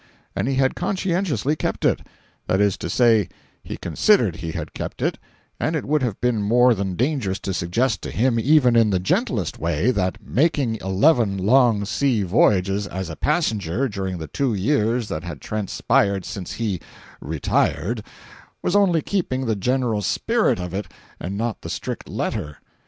And he had conscientiously kept it. That is to say, he considered he had kept it, and it would have been more than dangerous to suggest to him, even in the gentlest way, that making eleven long sea voyages, as a passenger, during the two years that had transpired since he "retired," was only keeping the general spirit of it and not the strict letter.